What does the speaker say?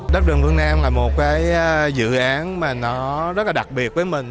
đất rừng phương nam là một dự án rất đặc biệt với mình